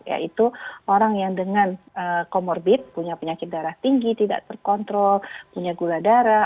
yaitu orang yang dengan comorbid punya penyakit darah tinggi tidak terkontrol punya gula darah